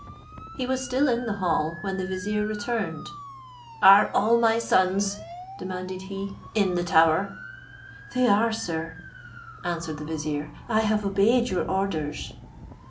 He was still in the hall when the vizier returned. "Are all my sons," demanded he, "in the tower?" "They are, sir," answered the vizier, "I have obeyed your orders."